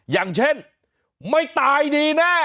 อย่างเช่นไม่ตายดีแน่